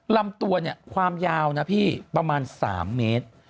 ลำตัวเนี่ยความยาวนะพี่ประมาณ๓เมตร